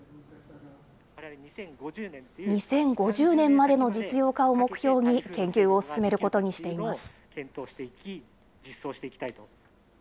２０５０年までの実用化を目標に研究を進めることにしています。